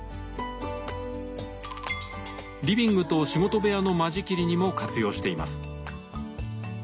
リビングと仕事部屋の間仕切りにも活用しています。